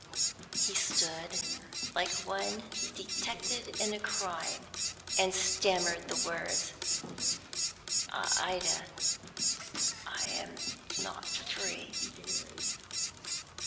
He stood like one detected in a crime, and stammered the words. "Ida, I am not free."